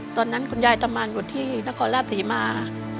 ตอนนั้นคุณยายตำรวจที่นครราชสีมา